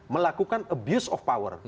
melakukan abuse of power